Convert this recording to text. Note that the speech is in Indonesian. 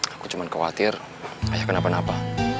aku cuma khawatir ayah kenapa napa